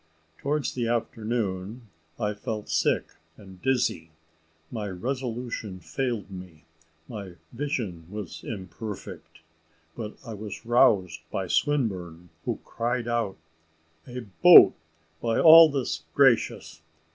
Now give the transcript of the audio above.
Towards the afternoon, I felt sick and dizzy; my resolution failed me; my vision was imperfect; but I was roused by Swinburne, who cried out, "A boat, by all that's gracious!